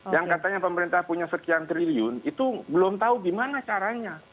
yang katanya pemerintah punya sekian triliun itu belum tahu gimana caranya